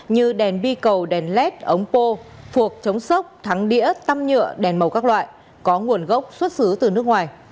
như đèn bi cầu đèn led ống pô chống sốc thắng đĩa tăm nhựa đèn màu các loại có nguồn gốc xuất xứ từ nước ngoài